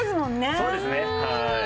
そうですねはい。